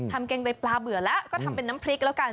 เกงใดปลาเบื่อแล้วก็ทำเป็นน้ำพริกแล้วกัน